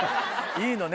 いいのね？